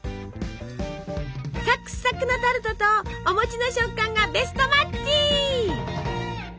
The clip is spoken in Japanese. サクサクのタルトとお餅の食感がベストマッチ！